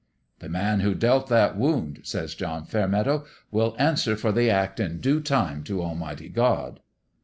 "' The man who dealt that wound,' says John Fairmeadow, ' will answer for the act in due time to Almighty God.'